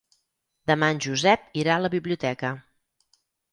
Demà en Josep irà a la biblioteca.